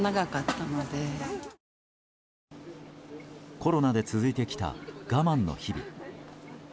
コロナで続いてきた我慢の日々。